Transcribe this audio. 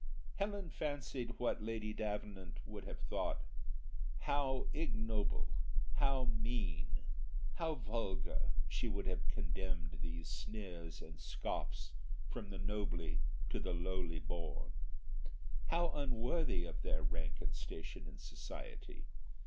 Helen fancied what Lady Davenant would have thought, how ignoble; how mean, how vulgar she would have considered these sneers and scoffs from the nobly to the lowly born. How unworthy of their rank and station in society!